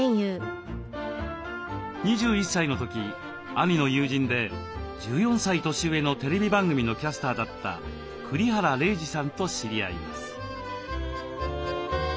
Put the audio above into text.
２１歳の時兄の友人で１４歳年上のテレビ番組のキャスターだった栗原玲児さんと知り合います。